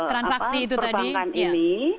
transaksi itu tadi